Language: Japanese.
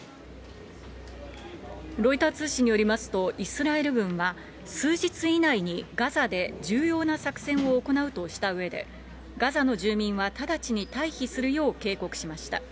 ロイター通信によりますと、イスラエル軍は、数日以内にガザで重要な作戦を行うとしたうえで、ガザの住民は直ちに退避するよう警告しました。